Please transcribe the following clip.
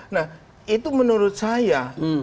nah itu menurut saya